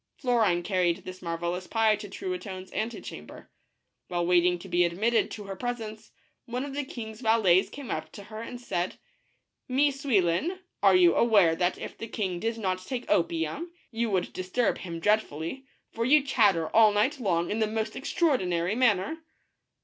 Florine carried this marvelous pie to Truitonne's antecham ber. While waiting to be admitted to her presence, one of the king's valets came up to her and said, " Mie Souillon, are you aware that if the king did not take opium, you would disturb him dreadfully, for you chatter all night long in the most extraordinary manner?"